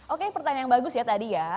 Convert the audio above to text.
oke pertanyaan yang bagus ya tadi ya